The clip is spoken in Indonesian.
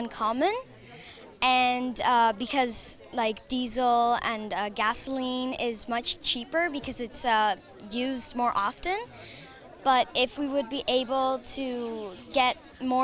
karena diesel dan gasolina lebih murah